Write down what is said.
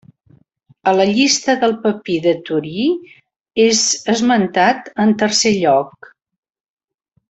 A la llista del Papir de Torí és esmentat en tercer lloc.